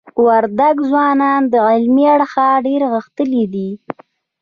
وردګ ځوانان له علمی اړخ دير غښتلي دي.